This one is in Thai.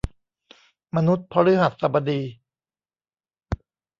มนุษย์พฤหัสบดี